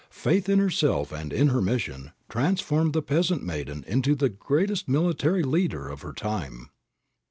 Faith in herself and in her mission transformed the peasant maiden into the greatest military leader of her time.